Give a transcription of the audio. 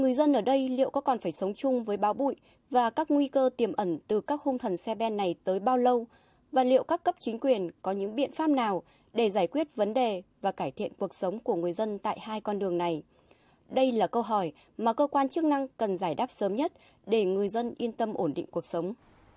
người dân ở đây liệu có còn phải sống chung với báo bụi và các nguy cơ tiềm ẩn từ các hung thần xe ben này tới bao lâu và liệu các cấp chính quyền có những biện pháp nào để giải quyết vấn đề và cải thiện cuộc sống của người dân tại hai con đường này đây là câu hỏi mà cơ quan chức năng cần giải đáp sớm nhất để người dân yên tâm ổn định cuộc sống